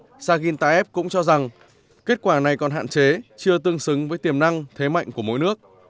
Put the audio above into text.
theo kizan saghin tayeb cũng cho rằng kết quả này còn hạn chế chưa tương xứng với tiềm năng thế mạnh của mỗi nước